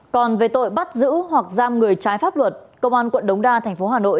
còn về tội bắt giữ hoặc giam người trái pháp luật công an quận đống đa thành phố hà nội